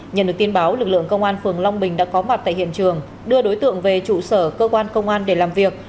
nhận được tin báo lực lượng công an phường long bình đã có mặt tại hiện trường đưa đối tượng về trụ sở cơ quan công an để làm việc